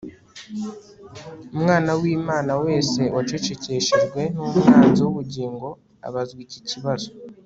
Umwana wImana wese wacecekeshejwe numwanzi wubugingo abazwa iki kibazo